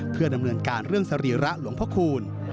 เพื่อดำเนินการเรื่องสรีระหลวงพระคูณ